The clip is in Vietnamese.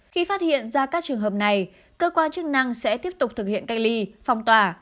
khi phát hiện ra các trường hợp này cơ quan chức năng sẽ tiếp tục thực hiện cách ly phong tỏa